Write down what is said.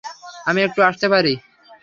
আমি একটু আসতে পারি?